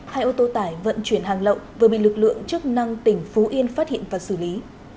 hai ô tô tải vận chuyển hàng lậu vừa bị lực lượng chức năng tỉnh phú yên phát hiện và xử lý